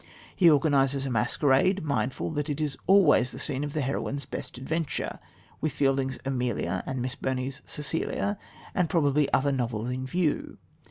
He organises a masquerade, mindful that it is always the scene of the heroine's "best adventure," with Fielding's Amelia and Miss Burney's Cecilia and probably other novels in view.